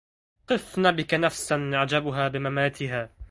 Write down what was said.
قف نبك نفسا عجبها بمماتها